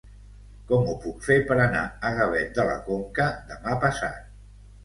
Com ho puc fer per anar a Gavet de la Conca demà passat?